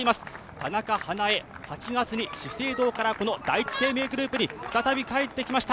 田中華絵、８月に資生堂から第一生命グループに帰って来ました。